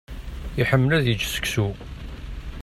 Iḥemmel ad yečč seksu.